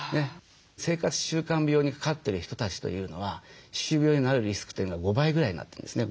生活習慣病にかかってる人たちというのは歯周病になるリスクというのが５倍ぐらいになってるんですね。